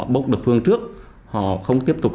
bốc được phường trước họ không tiếp tục